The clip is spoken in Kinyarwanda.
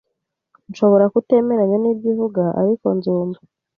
Nshobora kutemeranya nibyo uvuga, ariko nzumva